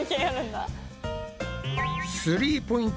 スリーポイント